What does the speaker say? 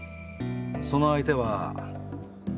その相手は。